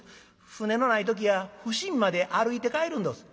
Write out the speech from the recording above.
舟のない時は伏見まで歩いて帰るんどす」。